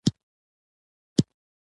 نامت مصري لیکوال محمد غزالي لیکنې کړې دي.